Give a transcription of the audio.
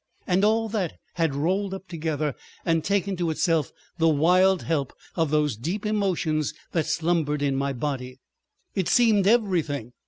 And all that had rolled up together and taken to itself the wild help of those deep emotions that slumbered in my body; it seemed everything.